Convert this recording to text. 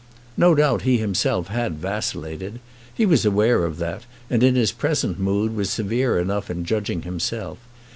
No doubt he himself had vacillated. He was aware of that, and in his present mood was severe enough in judging himself.